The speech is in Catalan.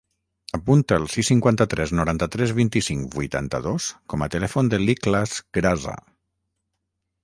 Apunta el sis, cinquanta-tres, noranta-tres, vint-i-cinc, vuitanta-dos com a telèfon de l'Ikhlas Grasa.